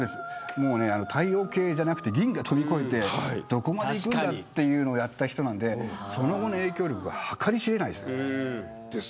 太陽系だけじゃなくて銀河を飛び越えてどこまで行くかというのをやった人なんでその後の影響力は計り知れないです。